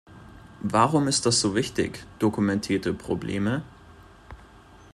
Warum ist das so wichtig, dokumentierte Probleme?